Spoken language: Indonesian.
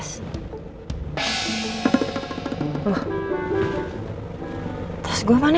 b seribu sembilan ratus empat puluh lima yang pada